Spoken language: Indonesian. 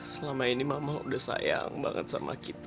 selama ini mama udah sayang banget sama kita